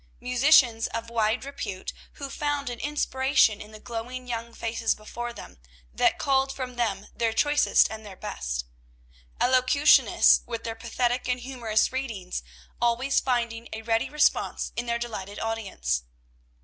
Musicians of wide repute, who found an inspiration in the glowing young faces before them, that called from them their choicest and their best. Elocutionists, with their pathetic and humorous readings, always finding a ready response in their delighted audience.